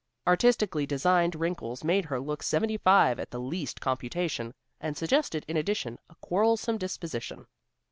Artistically designed wrinkles made her look seventy five at the least computation, and suggested in addition, a quarrelsome disposition.